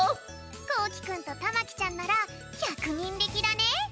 こうきくんとたまきちゃんならひゃくにんりきだね！